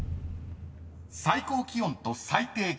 ［最高気温と最低気温］